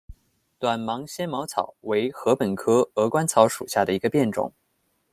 短芒纤毛草为禾本科鹅观草属下的一个变种。